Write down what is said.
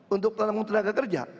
untuk pelanggung tenaga kerja